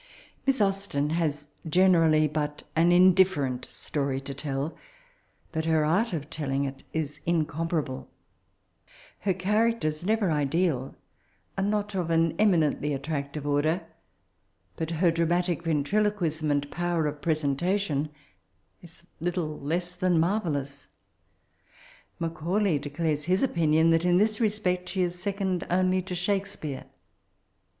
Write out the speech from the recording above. Miss Austen has generally but aa indifferent story to tell, but her art of telling it is incomparable. Her characters, never ideal, are not of an eminently attractive order ; but her dramatic ventriloquism and power of presentation is little less than ma^ vellous. Maoaulay declares hia opin ion that in this respect she is second onl^ to Shakespeare.